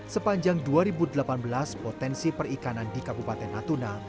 sepanjang dua ribu delapan belas potensi perikanan di kabupaten natuna